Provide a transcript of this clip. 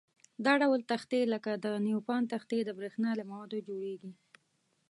دا ډول تختې لکه د نیوپان تختې د برېښنا له موادو جوړيږي.